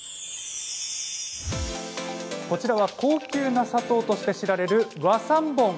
こちらは高級な砂糖として知られる和三盆。